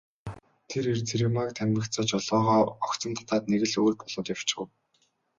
Тэр эр Цэрэгмааг танимагцаа жолоогоо огцом татаад нэг л өөр болоод явчхав.